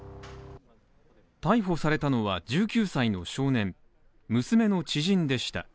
逮捕されたのは１９歳の少年、娘の知人でした。